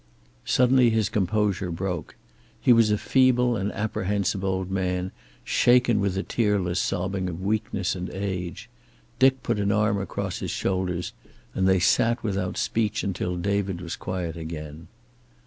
Suddenly his composure broke. He was a feeble and apprehensive old man, shaken with the tearless sobbing of weakness and age. Dick put an arm across his shoulders, and they sat without speech until David was quiet again.